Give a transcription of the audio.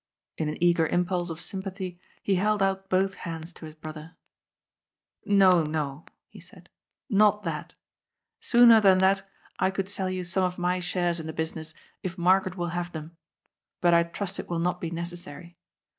In an eager impulse of sympathy he held out both hands to his brother. " No, HP," he said. " Not that. Sooner than that I could sell you some of my shares in the business, if Margaret will have them. But I trust it will not be necessary.